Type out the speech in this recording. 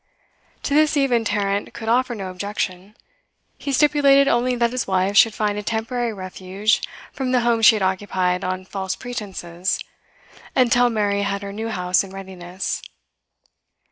To this even Tarrant could offer no objection; he stipulated only that his wife should find a temporary refuge from the home she had occupied on false pretences until Mary had her new house in readiness.